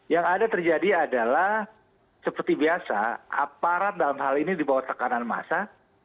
yang ada terjadi adalah seperti biasa aparat dalam hal ini dibawah tekanan masa